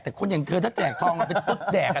แต่คนอย่างเธอถ้าแจกทองไปตุ๊กแตกอะ